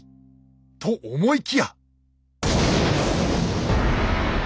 と思いきや。